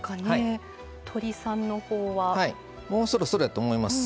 もうそろそろやと思います。